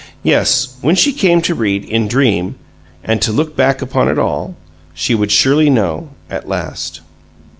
Yes, when she came to read "In Dream," and to "look back upon it all," she would surely know at last!